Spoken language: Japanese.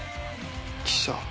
記者？